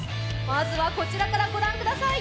まずはこちらからご覧ください